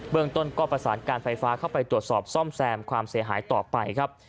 เมืองต้นก็ประสานการไฟฟ้าเข้าไปตรวจสอบซ่อมแซมความเสียหายต่อไปครับ